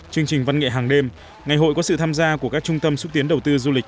chương trình văn nghệ hàng đêm ngày hội có sự tham gia của các trung tâm xúc tiến đầu tư du lịch